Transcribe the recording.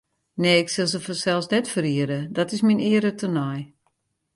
Nee, ik sil se fansels net ferriede, dat is myn eare tenei.